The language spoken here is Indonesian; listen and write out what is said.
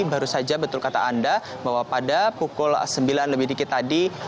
baru saja betul kata anda bahwa pada pukul sembilan lebih dikit tadi